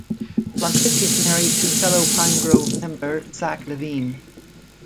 Plunkett is married to fellow Pinegrove member Zack Levine.